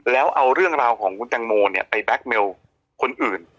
แล้วเอาเรื่องราวของคุณแตงโมเนี่ยไปแก๊กเมลคนอื่น